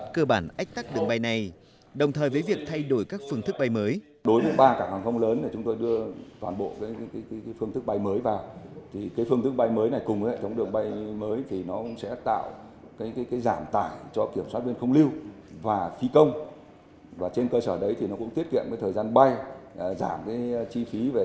cơ bản ách tắc đường bay này đồng thời với việc thay đổi các phương thức bay mới